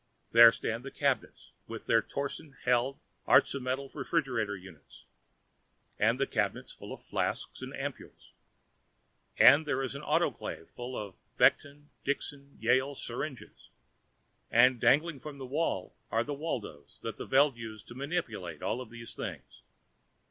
There stand the cabinets, with their Torsen, Held Artztmetal refrigeration units. And the cabinets stand full of flasks and ampules, and there is the autoclave full of Becton Dickinson Yale syringes, and dangling from the wall are the Waldos the Veld used to manipulate all these things.